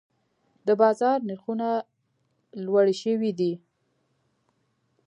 د بازار نرخونه لوړې شوي دي.